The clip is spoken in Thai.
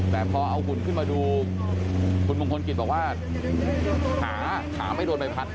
แต่พอเอาหุ่นขึ้นมาดูคุณมงคลกิจบอกว่าขาขาไม่โดนใบพัด